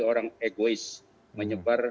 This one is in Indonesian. orang egois menyebar